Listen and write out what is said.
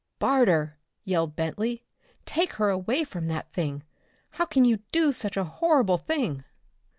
"Barter," yelled Bentley, "take her away from that thing! How can you do such a horrible thing?"